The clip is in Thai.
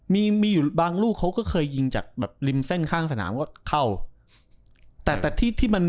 มีอยู่บางลูกเขาก็เคยยิงจากแบบริมเส้นข้างสนามก็เข้า